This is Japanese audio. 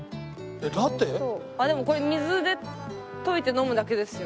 でもこれ水で溶いて飲むだけですよ。